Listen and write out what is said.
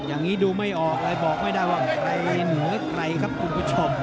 อย่างนี้ดูไม่ออกเลยบอกไม่ได้ว่าใครเหนือใครครับคุณผู้ชม